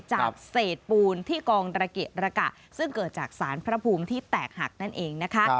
จุดระกะซึ่งเกิดจากสารพระภูมิที่แตกหักนั่นเองนะคะ